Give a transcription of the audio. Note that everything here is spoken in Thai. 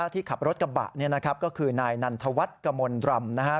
ขับรถกระบะนี่นะครับก็คือนายนันทวัฒน์กมลรำนะฮะ